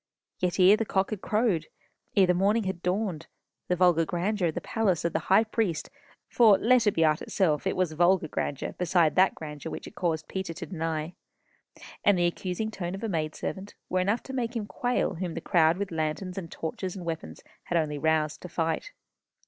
Yet ere the cock had crowed, ere the morning had dawned, the vulgar grandeur of the palace of the high priest (for let it be art itself, it was vulgar grandeur beside that grandeur which it caused Peter to deny), and the accusing tone of a maid servant, were enough to make him quail whom the crowd with lanterns, and torches, and weapons, had only roused to fight.